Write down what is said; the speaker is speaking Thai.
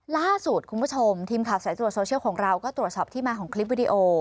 ล่าสุดคุณผู้ชมทีมข่าวสายตรวจโซเชียลของเราก็ตรวจสอบที่มาของคลิปวิดีโอ